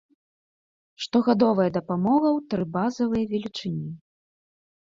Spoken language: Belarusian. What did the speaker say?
Штогадовая дапамога ў тры базавыя велічыні.